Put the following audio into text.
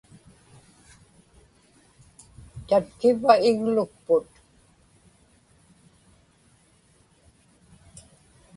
tatkivva iglukput